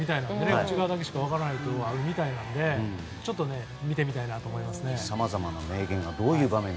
内側しか分からないことがあるみたいなので見てみたいなと思いますね。